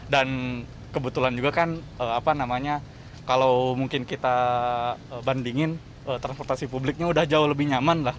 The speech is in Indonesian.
dan kebetulan juga kan kalau mungkin kita bandingin transportasi publiknya udah jauh lebih nyaman lah